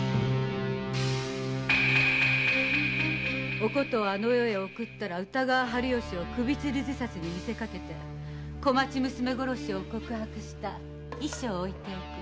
お琴をあの世へ送ったら歌川春芳を首吊り自殺に見せかけて小町娘殺しを告白した遺書を置いておく。